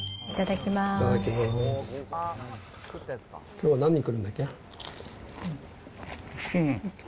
きょうは何人来るんだっけ？